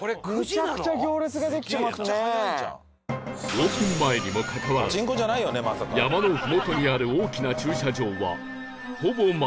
オープン前にもかかわらず山のふもとにある大きな駐車場はほぼ満車状態